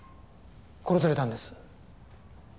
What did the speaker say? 殺されたんです。